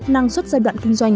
năng suất giai đoạn kinh doanh